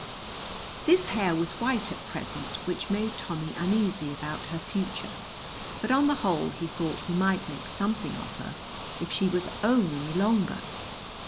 This hair was white at present, which made Tommy uneasy about her future, but on the whole he thought he might make something of her if she was only longer.